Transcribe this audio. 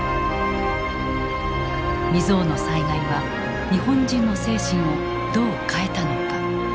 未曽有の災害は日本人の精神をどう変えたのか。